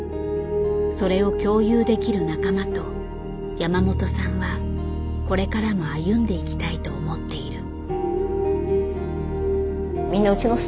それを共有できる仲間と山本さんはこれからも歩んでいきたいと思っている。